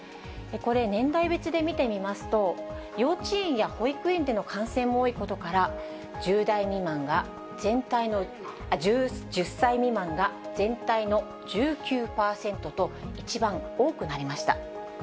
これ、年代別で見てみますと、幼稚園や保育園での感染も多いことから、１０歳未満が全体の１９％と、一番多くなりました。